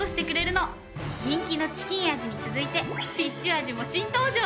人気のチキン味に続いてフィッシュ味も新登場！